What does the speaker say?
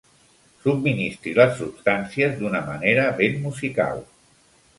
Subministri les substàncies d'una manera ben musical.